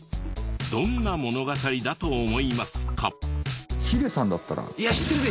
どんな物語だと思いますか？